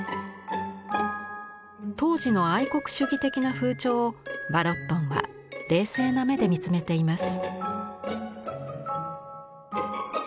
当時の愛国主義的な風潮をヴァロットンは冷静な目で見つめています。